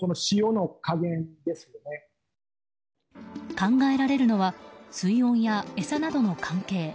考えられるのは水温や餌などの関係。